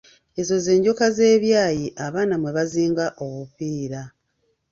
Ezo ze njoka z'ebyayi abaana mwe bazinga obupiira.